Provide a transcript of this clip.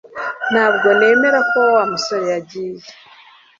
Ntabwo nemera ko Wa musore yagiye